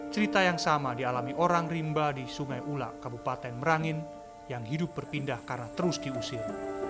cerita yang sama dialami orang rimba di sungai ulak kabupaten merangin yang hidup berpindah karena terus diusir